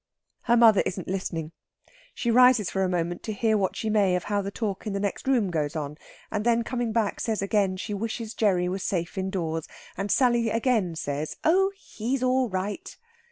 Her mother isn't listening. She rises for a moment to hear what she may of how the talk in the next room goes on; and then, coming back, says again she wishes Gerry was safe indoors, and Sally again says, "Oh, he's all right!"